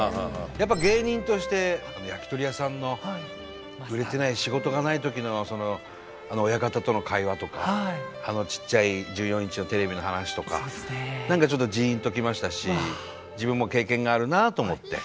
やっぱ芸人として焼き鳥屋さんの売れてない仕事がないときのあの親方との会話とかあのちっちゃい１４インチのテレビの話とか何かちょっとじんときましたし自分も経験があるなあと思って。